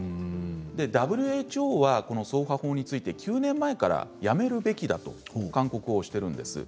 ＷＨＯは、そうは法について９年前からやめるべきだと勧告をしているんです。